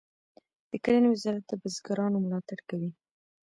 د کرنې وزارت د بزګرانو ملاتړ کوي